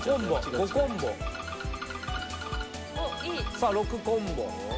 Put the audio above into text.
さあ６コンボ。